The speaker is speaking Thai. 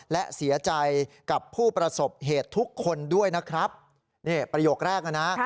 และเสียใจกับผู้ประสบเหตุทุกคนด้วยนะครับนี่ประโยคแรกนะนะ